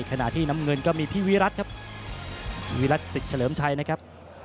ขณะที่น้ำเงินก็มีพี่วิรัติครับวิรัติสิทธเฉลิมชัยนะครับ